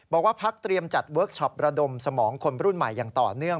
บอกว่าพักเตรียมจัดเวิร์คชอประดมสมองคนรุ่นใหม่อย่างต่อเนื่อง